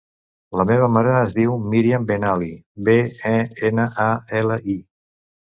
La meva mare es diu Míriam Benali: be, e, ena, a, ela, i.